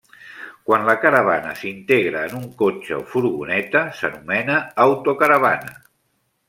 Quan la caravana s'integra en un cotxe o furgoneta, s'anomena autocaravana.